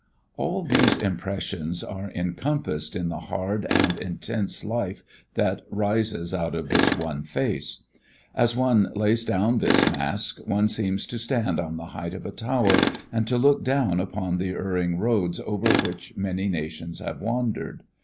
All these impressions are encompassed in the hard and intense life that rises out of this one face. As one lays down this mask one seems to stand on the height of a tower and to look down upon the erring roads over which many nations have wandered.